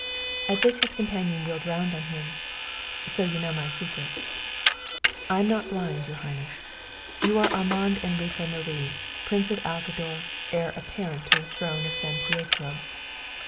At this his companion wheeled round on him. "So you know my secret?" "I am not blind, your Highness; you are Armand Enrico Marie, Prince of Alcador, heir apparent to the throne of San Pietro."